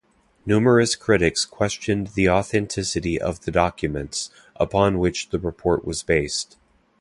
Numerous critics questioned the authenticity of the documents, upon which the report was based.